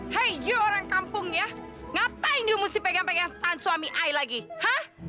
hei kamu orang kampung ya kenapa kamu harus pegang pegang tante suami saya lagi hah